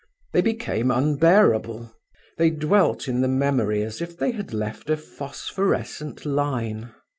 They became unbearable; they dwelt in the memory as if they had left a phosphorescent line.